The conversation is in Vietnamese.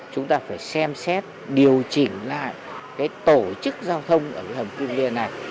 chúng ta phải xem xét điều chỉnh lại tổ chức giao thông ở cái hầm kim liên này